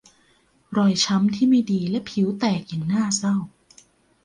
รอยช้ำที่ไม่ดีและผิวแตกอย่างน่าเศร้า